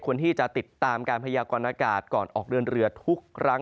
ที่จะติดตามการพยากรณากาศก่อนออกเดินเรือทุกครั้ง